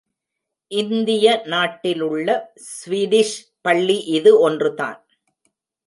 இந்திய நாட்டில் உள்ள ஸ்வீடிஷ் பள்ளி இது ஒன்றுதான்.